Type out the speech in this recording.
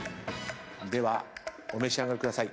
ではお召し上がりください。